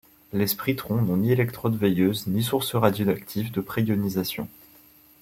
Les sprytrons n'ont ni électrode veilleuse, ni source radioactive de pré-ionisation.